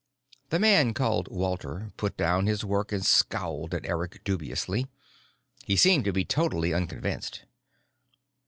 The man called Walter put down his work and scowled at Eric dubiously. He seemed to be totally unconvinced.